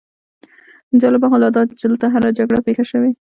جالبه خو لا داده چې دلته هره جګړه پېښه شوې.